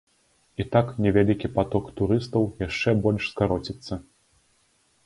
І так невялікі паток турыстаў яшчэ больш скароціцца.